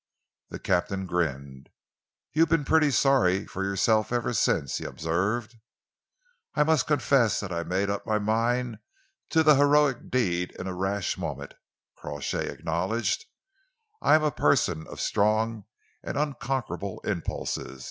The Captain grinned. "You've been pretty sorry for yourself ever since," he observed. "I must confess that I made up my mind to the heroic deed in a rash moment," Crawshay acknowledged. "I am a person of strong and unconquerable impulses.